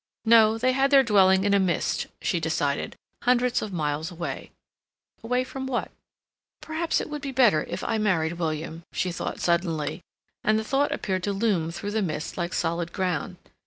No; they had their dwelling in a mist, she decided; hundreds of miles away—away from what? "Perhaps it would be better if I married William," she thought suddenly, and the thought appeared to loom through the mist like solid ground.